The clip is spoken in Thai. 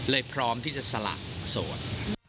เลยพร้อมที่จะสละสวน